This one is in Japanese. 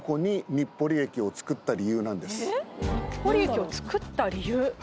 日暮里駅を造った理由？